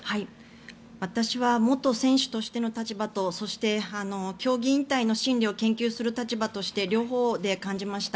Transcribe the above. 私は元選手としての立場とそして、競技引退の心理を研究する立場として両方で感じました。